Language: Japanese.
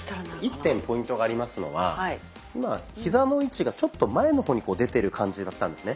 一点ポイントがありますのは今ヒザの位置がちょっと前の方に出てる感じだったんですね。